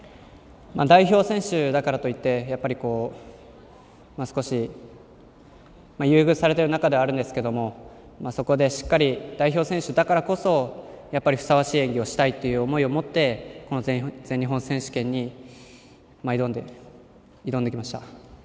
代表選手だからといって少し優遇されてる中ではあるんですけどそこでしっかり代表選手だからこそふさわしい演技をしたいという思いを持って全日本選手権に挑んできました。